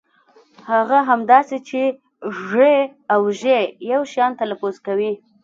هغه هم داسې چې ږ او ژ يو شان تلفظ کوي.